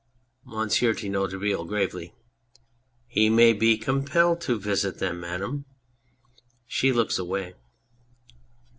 MONSIEUR DE NOIRETABLE (gravely). He may be compelled to visit them, Madame. (She looks airay.)